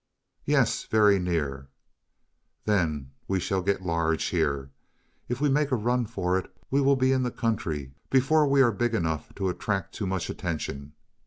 "Yes, very near." "Then we shall get large here. If we make a run for it we will be in the country before we are big enough to attract too much attention.